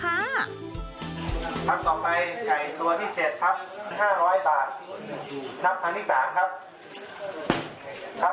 ต่อไปไก่ตัวที่๗ครับ๕๐๐บาทนับทางที่๓ครับครับผู้ประมูล